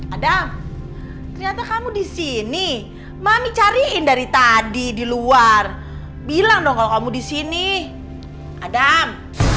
ada ternyata kamu disini mami cariin dari tadi diluar bilang dong kamu di sini adam